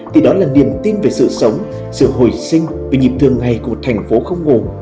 thì đó là niềm tin về sự sống sự hồi sinh vì nhịp thường ngày của thành phố không ngủ